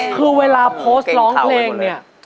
คือเวลาโพสต์ร้องเพลงเนี่ย